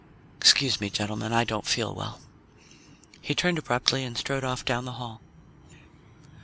Excuse me, gentlemen; I don't feel well." He turned abruptly and strode off down the hall.